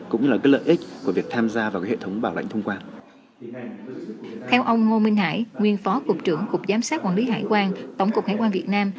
cục giám sát quản lý hải quan tổng cục hải quan việt nam